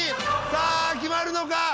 さあ決まるのか？